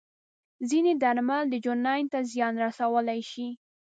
ځینې درمل د جنین ته زیان رسولی شي.